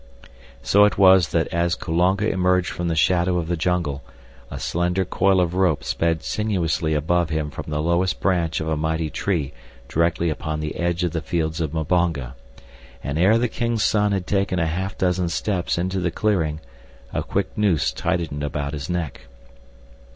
So it was that as Kulonga emerged from the shadow of the jungle a slender coil of rope sped sinuously above him from the lowest branch of a mighty tree directly upon the edge of the fields of Mbonga, and ere the king's son had taken a half dozen steps into the clearing a quick noose tightened about his neck.